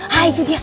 hah itu dia